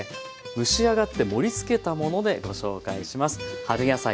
蒸し上がって盛りつけたものでご紹介します。